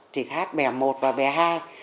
chỉ hát bè một và bè hai